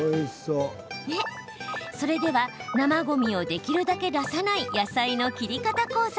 それでは、生ごみをできるだけ出さない野菜の切り方講座。